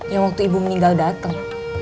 yang waktu ibu meninggal dateng